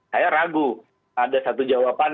saya ragu ada satu jawaban